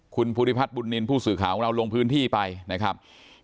คุณภูริพัฒนบุญนินทร์ผู้สื่อข่าวของเราลงพื้นที่ไปนะครับ